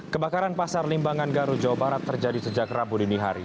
kebakaran pasar limbangan garut jawa barat terjadi sejak rabu dini hari